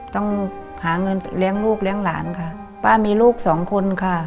ต้องหาเงินเลี้ยงลูกเลี้ยงหลานค่ะป้ามีลูกสองคนค่ะ